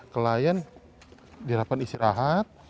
klien diadakan istirahat